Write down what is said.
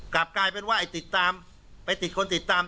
กลับกลายเป็นว่าไอ้ติดตามไปติดคนติดตาม